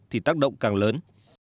thì tác động càng lớn